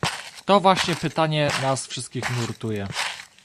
To właśnie pytanie nas wszystkich nurtuje